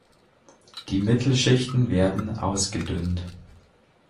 Die Mittelschichten werden ausgedünnt.